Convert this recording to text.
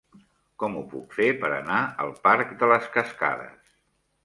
Com ho puc fer per anar al parc de les Cascades?